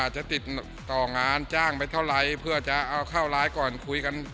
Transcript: จะติดต่องานจ้างไปเท่าไรเพื่อจะเอาเข้าไลน์ก่อนคุยกัน